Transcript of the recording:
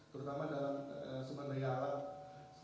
terutama dalam sumber daya alam